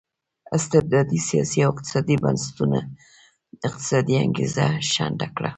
استبدادي سیاسي او اقتصادي بنسټونو اقتصادي انګېزه شنډه کړه.